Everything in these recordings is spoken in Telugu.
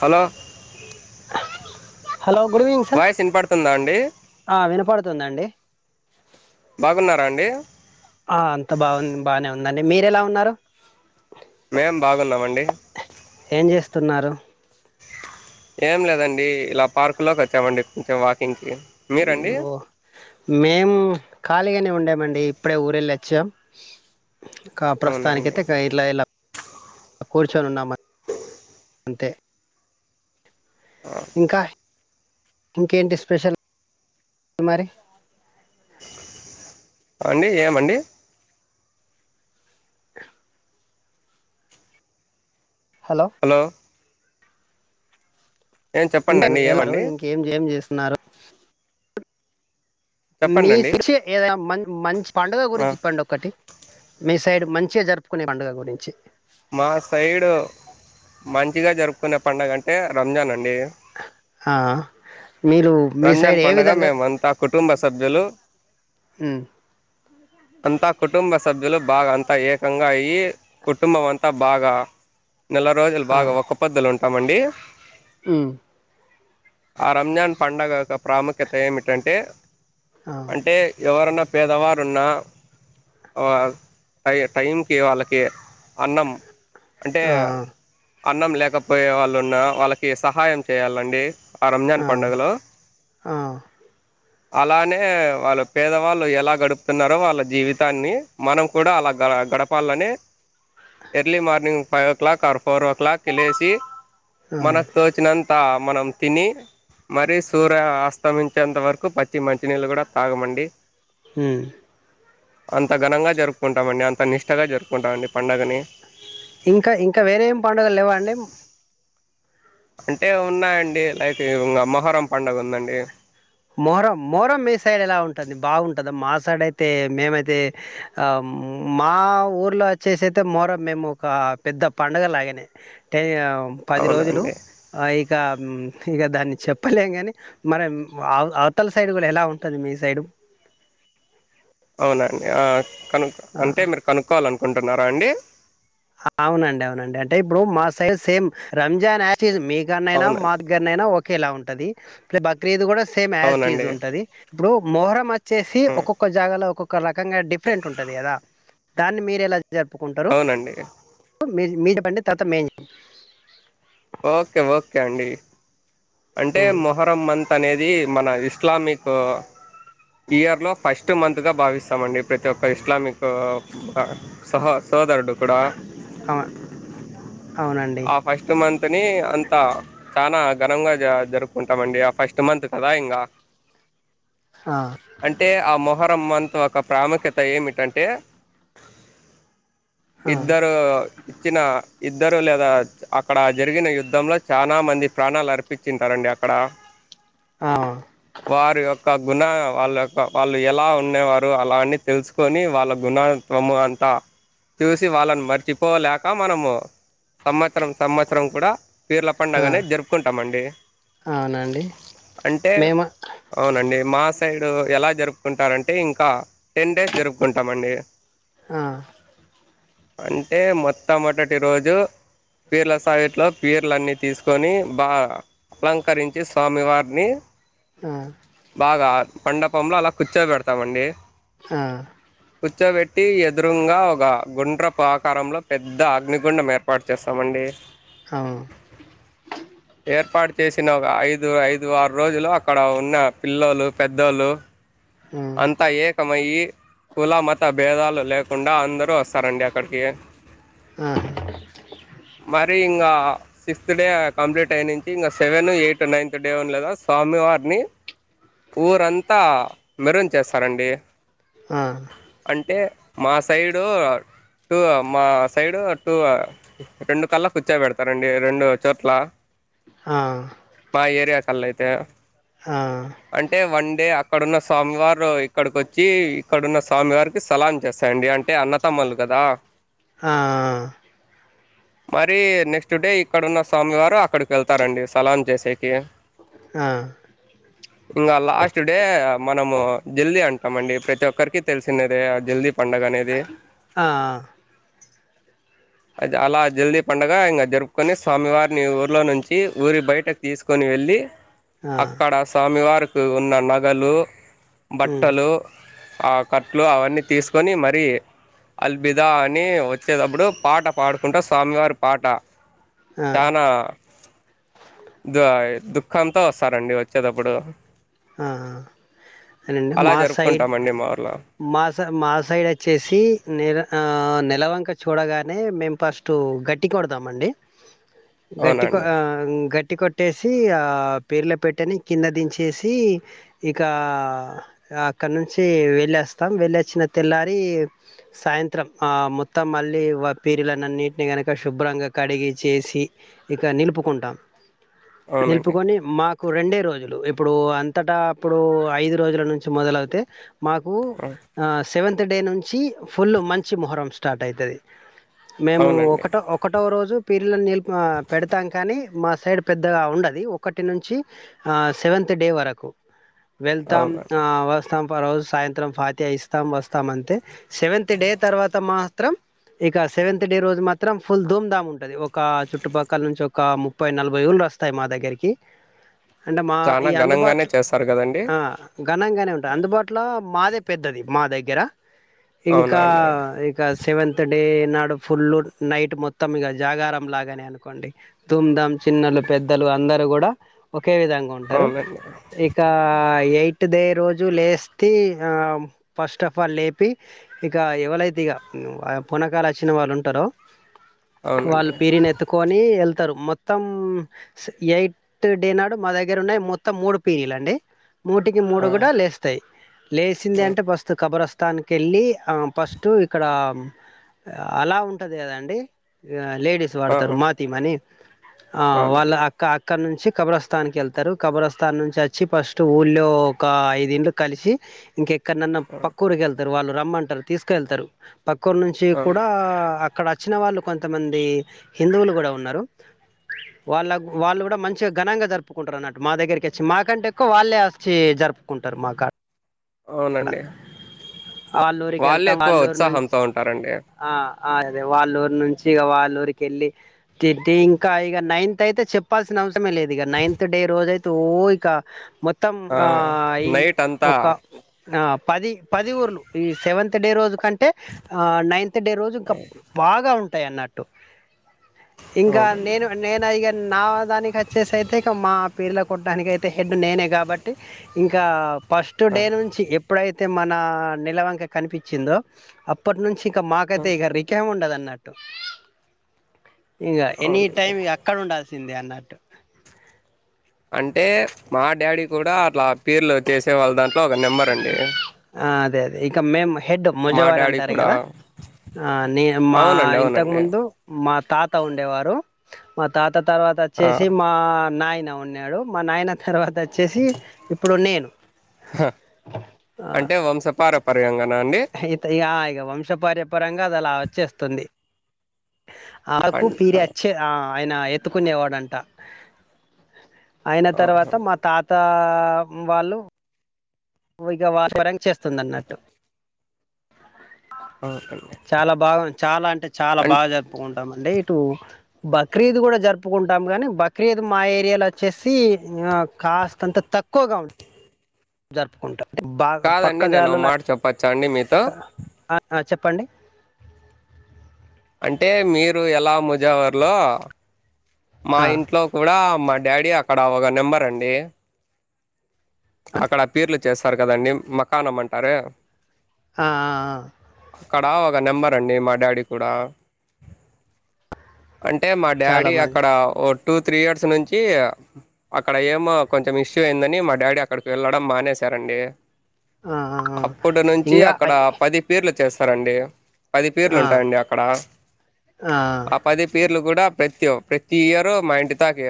Hello! Hello good evening sir voice వినపడుతుందా అండి ఆ వినపడుతుందండి. బాగున్నారా అండి? ఆ అంత బాగున్ బానే ఉందండి, మీరెలా ఉన్నారు? మేం బాగున్నామండి. ఏం చేస్తున్నారు? ఏం లేదండి ఇలా పార్క్లోక్ వచ్చామండి కొంచం వాకింగ్కి మీరండి ఓ మేం ఖాళీగనే ఉండేమండి ఇప్పుడే ఊరెళ్ళ వచ్చాం ఇంకా అవునా అండి ప్రస్తుతానికైతే గ ఇలా ఇలా కూర్చొన్ ఉన్నామన్ అంతే ఇంకా ఇంకేంటి స్పెషల్ మరి? అండి ఏమండి అహ్ హలో ఏం చెప్పండి ఇంక అండి ఎలరు ఏమండి ఇంకేం చేం చేస్తున్నారు? చెప్పండి అండి మీష ఏద మ మంచి పండుగ ఆ, గురించి చెప్పండి ఒకటి మీ సైడ్ మంచిగా జరుపుకునే పండుగ గురించి? మా సైడు మంచిగా జరుపుకునే పండుగ అంటే రంజాన్ అండి. ఏ ఆ మీరు మీ రంజన్ సైడ్ ఏ పండుగ విధంగా మేముంతా కుటుంబ సభ్యులు ఉమ్ అంతా కుటుంబ సభ్యులు బాగా అంతా ఏకంగా అయ్యి కుటుంబం అంతా బాగా నెల రోజులు బాగా ఒక్క పొద్దులు ఉంటామండి. ఊ ఆ రంజాన్ పండుగ యొక్క ప్రాముఖ్యత ఏమిటంటే? ఆ అంటే ఎవరన్నా పేదవారు ఉన్న ఆ టై టైంకి వాళ్ళకి అన్నం అంటే ఆ అన్నం లేకపోయే వాళ్ళు ఉన్న వాళ్ళకి సహాయం చేయాలండి ఆ రంజాన్ పండుగలో ఆ అలానే వాళ్ళు పేదవాళ్ళు ఎలా గడుపుతున్నారో వాళ్ళ జీవితాన్ని మనం కూడా అలా గ గడపాలని early morning five o'clock, ఆ ఫోర్ ఓ క్లాక్కి లేసి ఆ మనకు తోచినంత మనం తిని మరిస్ సూర్య ఆస్తమించేంత వరకు పచ్చి మంచినీళ్ళు కూడా తాగమండి. ఊ అంత ఘనంగా జరుపుకుంటామండి. అంత నిష్టగా జరుపుకుంటామండి పండుగని. ఇంకా ఇంకా వేరే ఏం పండుగలు లేవ అండి? అంటే ఉన్నాయండి లైక్ ఇ మొహరం పండుగ ఉందండి. మొహరం మొహరం మీ సైడ్ ఎలా ఉంటది? బావుంటద మా సైడ్ అయితే మేమైతే ఆ మా ఊర్లో వచ్చేస అయితే మోహరం మేము ఒక పెద్ద పండుగ లాగనే ట పది అవునా రోజులు అండి ఆ ఇక ఇక దాన్ని చెప్పలేము కానీ మనం వావ్ అవతల సైడ్ కూడా ఎలా ఉంటది మీ సైడు? అవునండి ఆ కనుక్ ఆ అంటే మీరు కనుక్కోవాలనుకుంటున్నారా అండి? అవునండి అవునండి అంటే ఇప్పుడు మా సైజ సేమ్ రంజాన్ ఏ జటిజ్ మీకన్నయినా మా అవునండి ద్గర అయినా ఓకేలా ఉంటది బక్రీదు కూడా సేమ్ యాజ్ట్జ్ అవునండి ఉంటది ఇప్పుడు మొహరం వచ్చేసి ఉమ్, ఒక్కొక్క జాగాలో ఒక్కొక్క రకంగా డిఫరెంట్ ఉంటది కదా దాన్ని మీరు ఎలా అవునండి మీ మీద బండి తర్వాత మే ఓకే ఓకే అండి అంటే మొహరంమం త అనేది మన ఇస్లామిక్ ఇయర్ లో ఫస్ట్ మంత్గా భావిస్తామండి ప్రతి ఒక్క ఇస్లామిక్ ఆ సహ సోదరుడు కూడా ఆ! అవునండి. ఆ ఫస్ట్ మం తని అంత చాలా ఘనంగా జ జరుపుకుంటామండి ఆ ఫస్ట్ మంత్ కదా ఇంగా ఆ! అంటే ఆ మొహరమంత ఒక ప్రాముఖ్యత ఏమిటంటే ఆ! ఇద్దరు చ్చిన ఇద్దరు లేదా అక్కడ జరిగిన యుద్ధంలో చానా మం ప్రాణాలర్పించింటారండి అక్కడ ఆ! వారి యొక్క గుణ వాళ్ళ యొక్క వాళ్ళు ఎలా ఉండేవారు అలా అన్నీ తెలుసుకొని వాళ్ళ గుణత్వము అంతా చూసి వాళ్ళన్ మర్చిపోలేక మనము సమత్సరం సమత్సరం కూడా పీర్ల ఆ! పండుగనే జరుపుకుంటామండి అవునండి. అంటే మేము అవునండి మా సైడు ఎలా జరుపుకుంటారంటే ఇంకా టెన్ డేస్ జరుపుకుంటామండి ఆ అంటే మొత్తమొదటి రోజు పీర్ల సాయిట్లో పీర్లన్ని తీసుకొని బా అలంకరించి స్వామివార్ని ఆ బాద మండపంలో అలా కూర్చో పెడతామండి ఆ కూర్చోబెట్టి ఎదురుంగా ఒక గుండ్రపు ఆకారంలో పెద్ద అగ్నిగుండం ఏర్పాటు చేస్తామండి అవు ఏర్పాటు చేసిన ఒక ఐదు ఐదు ఆరు రోజులు అక్కడ ఉన్న పిల్లోళ్లు పెద్దోళ్ళు హ్మ్. అంతా ఏకమయ్యి కుల మత భేదాలు లేకుండా అందరు వస్తారండి అక్కడికి ఆ! మరి ఇంగ అ సిక్స్త్ డే కంప్లీట్ అయి నుంచి ఇంగా సెవెన్ ఎయిట్ నైన్త్ డే ఉంది కదా స్వామివారిని ఊరంతా మెరున్ చేస్తారండి ఆ అంటే మా సైడు టూ మా సైడు టూ రెండు కళ్ళ కూర్చో పెడతారండి రెండు చోట్ల ఆ! ఆ! మా ఏరియా కల్లయితే అంటే వన్ డే అక్కడున్న స్వామివార్ ఇక్కడికొచ్చి ఇక్కడున్న స్వామివారికి సలాం చేస్తాయండి అంటే అన్నతమ్ములు కదా ఆ మరి నెక్స్ట్ డే ఇక్కడున్న స్వామి వారు అక్కడికెళ్తారండి సలాం చేసేకి ఆ ఇంగా లాస్ట్ డే మనము జల్దీ అంటామండి ప్రతి ఒక్కరికి తెలిసినదే ఆ జల్దీ పండుగ అనేది ఆ అది అలా జల్దీ పండగా ఇంగా జరుపుకొని స్వామివారిని ఊర్లో నుంచి ఊరి బయటకి తీసుకొ ని వెళ్ళి ఆ అక్కడ స్వామివారికి ఉన్న నగలు ఉమ్ బట్టలు ఆ కట్లు ఆ అవన్నీ తీసుకొని మరి అల్బిదా అని వచ్చేతప్పుడు పాట పాడుకుంటా స్వామివారి పాట ఆ చానా ద దుఃఖంతో వస్తారండి వచ్చేతప్పుడు ఆ ఆ. మా సైడ్ ఊర్లో మా మా సైడ్ వచ్చేసి నెల అ నేలవంక చూడగానే మేము ఫస్ట్ గట్టి కొడతమండి గట్టిక అవునండి గట్ ట్టి కొట్టేసి పీర్ల పెట్టని కింద దించేసి ఇక అక్కడ నుంచి వెళ్ళేస్తాం వెళ్ళచ్చిన తెల్లారి సాయంత్రం ఆ మొత్తం మళ్ళీ పీరిలలనన్నింటిని కనుక శుభ్రంగా కడిగి చేసి ఇక నిలుపుకుంటాం అవునండి నిలుపుకొని మాకు రెండే రోజులు ఇప్పుడు అంతటా అప్పుడు ఐదు రోజుల ను మొదలవుతే మాకు హ్మ్. ఆ సెవెంత్ అంత డే నుంచి ఫుల్ మంచి మొహరం స్టార్ట్ అయితది మేము అవునండి ఒకటొ ఒకటో రోజు పీర్లని నిల్ పెడతాం కానీ మా సైడ్ పెద్దగా ఉండది ఒకటి నుంచి ఆ సెవెం డే వరకు వెళ్తాం ఆ అవునండి వస్ స్తాం రోజు సాయంత్రం ఫాతి ఇస్తాం వస్తాం అంతే సెవెంత్ డే తర్వాత మాత్రం ఇక సెవెంత్ డే రోజు మాత్రం ఫుల్ ధూమ్ ధామ్ ఉంటది ఒక చుట్టుపక్కల నుంచి ఒక ముప్పై నలభై ఉల్ వస్తాయ్ మా దగ్గరికి అంటే మా ఈ చానా ఘనంగానే అందుబాట్లో చేస్తారు కదండి ఆ అనంగానే ఉంటా అందుబాటులో మాదే పెద్దది మా దగ్గర అవునా ఇంకా అండి ఇక సెవెన్ థర్ డే నాడు ఫుల్ నైట్ మొత్తం ఇగ జాగారం లాగానే అనుకోండి దూమ్ ధామ్ చిన్నలు పెద్దలు అందరు కూడా ఒకే విధంగ ఉంటరు అవునండి ఇక ఎయిట్ ఒకే రోజు లేస్తి ఫస్ట్ ఆఫ్ ఆల్ లేపి ఇక ఎవలైతే ఇగ పూనకాలు వచ్చిన వాళ్ళు ఉంటరో అవునండి వాళ్ళు పీరిని ఎత్తుకొని వెల్ రు మొత్తం ఎయిట్ డే నాడు మా దగ్గర ఉన్నాయ్ మొత్తం మూడు పీనీలు అండి మూటికి ఆ మూడు కూడా లేస్తయ్ లేసింది ఆ అంటే ఫస్ట్ కబర్స్స్తాన్నికి వెళ్ళి ఫస్టు ఇక్కడ అలా ఉంటది కదండి లేడీస్ ఆ వాడతారు ఆ! మాతిం అని ఆ వాళ్ళ అవునండి అక్క అక్కడ నుంచి కబ్రస్స్తాన్కి వెళ్తరు కబ్రస్స్తాన్ నుంచి వచ్చి ఫస్ట్ ఊ లో ఒక ఐదు ఇండ్లు కలిసి ఇంకెక్కడనన్న ఆ పక్కురికి వెళ్ వాళ్ళు రమ్మంటారు తీసుకెళ్తరు పక్కఊరి నుంచి అవును కూడా అక్కడ వచ్చిన వాళ్ళు కొంతమంది హిందువులు కూడా ఉన్నారు వాళ్ళకు వాళ్ళు కూడా మంచిగా ఘనంగా జరుపుకుంటరు అన్నట్టు మా దగ్గరికి వచ్చి మాకంటే ఎక్కువ వాళ్ళే వచ్చి జరుపుకుంటారు మా కాడ అవునండి వాళ్ళూరికి వాళ్ళే వెళ్తాం ఎక్కువ వాళ్ళూరు నుంచి ఉత్సాహంతో ఉంటారండి ఆ అ అదే వాళ్ళ ఊరు నుంచి ఇగ వాళ్ళ ఊరికెళ్ళి తి ఇంకా ఇక నైన్త్ అయితే చెప్పాల్సిన అవసరమే లేదు ఇక నైన్త్ డే రోజ అయితే ఓ ఇక మొత్ మొత్తం ఆ యి నైట్ అంతా ఒక అ పది పది ఊర్లు ఈ సెవంత్ డే రోజు కన్ అంటే ఆ నైన్త్ డే రోజు ఇంక బాగా ఉంటాయ్ అన్నట్టు ఇంకా అవునండి నేను నేను ఇగ నా దానికి వచ్చేసయితే ఇక మా పీర్ల కొట్టానికి అయితే హెడ్ నేనే కాబట్టి ఇంక ఫస్ట్ ఆ డే నుంచి ఎప్పుడైతే మన నెలవంక కనిపిచ్చిందో అప్పటి నుంచి ఇ ఆ! మాకైతె ఇగ రికేం ఉండదన్నట్టు ఇంగ ఎనీ అవునండి టైమ్ అక్కడ ఉండాల్సిందే అన్నట్టు అంటే మా డాడీ కూడా అట్లా పీర్లు చేసే వాళ్ళ దాంట్లో లో ఒక నెంబర్ అండి ఆ అదే ఇక మేమ్ హెడ్ మా ముజవారి డాడీ అంటారు కూడా కదా ఆ నేన్ మా అవునండి ఇంతకు అవునండి ముందు మా తాత ఉండేవారు మా తాత తర్వాత ఆ అచ్చేసి మా నాయి యిన ఉన్నాడు మా నాయన తర్వాత అచ్చేసి ఇప్పుడు నేను ఆ అంటే వంశపార పర్యంగణ అండి వంశపార్య పరంగా అదలా వచ్చేస్తుంది ఆకు అం పీఅచ్చే అ ఆయన ఎత్తుకునేవాడంట అయిన తర్వాత ఆహా మా తాత ఆ వాళ్ళు వుగా [inaudible] చేస్తుందన్నట్టు అవునండి చాలా బాగ్ చాలా అంటే చాలా అం బాగా జరుపుకుం టమండే ఇటు బక్రీద్ కూడా జరుపుకుంటాం గాని బక్రీద్ మా ఏరియాలచ్చేసి ఇంగ కాస్తంతా తక్కువగా ఉం జరుపుకుంటా బాగా పక్క కాదండి నేను జాలల మాట చెప్పచ్చా అండి మీతో అక్క అ అ చెప్పండి అంటే మీరు ఎలా ముజెవర్లో మా ఆ, ఇంట్లో కూడా మ డాడీ అక్కడ ఒక నెంబర్ అండి అక్కడ పీర్లు చేస్తారు కదండి మకానం అంటారే ఆ ఆ ఆ అక్కడ ఓగా నెంబర్ అండి మా డాడీ కూడా అంటే మా చాలా డాడీ మంది అక్కడ ఓ టూ త్రీ ఇయర్స్ నుంచి అక్కడ ఏమో కొంచెం ఇష్యూ అయిందని మా డాడీ అక్కడికి వెళ్ళడం మానేశారండి ఆ, ఆ, ఆ. అప్పటి నుంచి ఇంకా అక్కడ ఐ- పది పీర్లు చేస్తారండి పది పీర్లు ఆ, ఉంటాయండి అక్కడ ఆ పది పీర్లు గుడా ప్రత్యు ప్రతి ఇయరు మా ఇంటి తాకి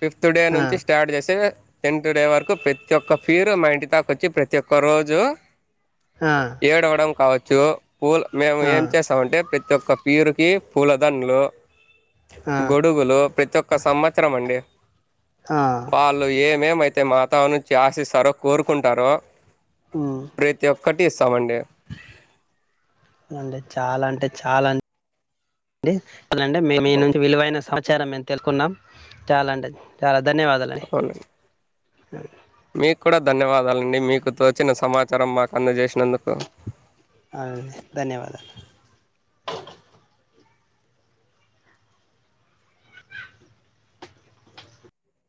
ఫిఫ్త్ డే ఆ. నుంచి స్టార్ట్ చేసి టెన్ట్ డే వరకు ప్రతి ఒక్క ఫీరు మా ఇంటి దాక వచ్చి ప్రతి ఒక్క రోజు ఆ, ఏడవడం కావచ్చు పూల్ మేము ఆ, ఏం చేస్తామంటే ప్రతి ఒక్క పీరుకి పూలదండ్లు ఆ, గొడుగులు ప్రతి ఒక్క సంవత్సరం అండి ఆ, వాళ్ళు ఏమేమైతే మాతావరణం ఆసిస్తారో కోరుకుంటారో ఉమ్, ప్రతి ఒక్కటి ఇస్తామండి అండి చాలా అంటే చాలా [inaudible] నుండి విలువైన సమ చ్చారా మేం తెలుకున్నాం చాలా అండి చాలా ధన్యవాదాలం అవునండి మీకు కూడా ధన్యవాదాలండి మీకు తోచిన సమాచారం మాకు అందజేసినందుకు ఆ ధన్యవాదాలు